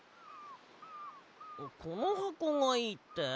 このはこがいいって？